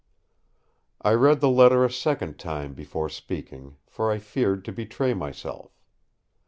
I read the letter a second time before speaking, for I feared to betray myself.